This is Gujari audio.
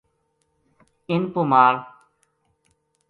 اِن پو مال